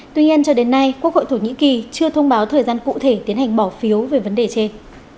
tuy nhiên cho đến nay quốc hội thổ nhĩ kỳ chưa thông báo thời gian cụ thể tiến hành bỏ phiếu về vấn đề trên